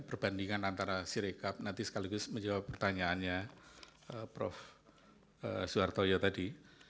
perbandingan antara si rekap nanti sekaligus menjawab pertanyaannya prof soehartojo tadi